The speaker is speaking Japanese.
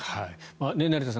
成田さん